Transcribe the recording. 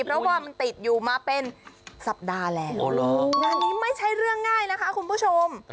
เพราะว่ามันติดอยู่มาเป็นสัปดาห์แล้วงานนี้ไม่ใช่เรื่องง่ายนะคะคุณผู้ชม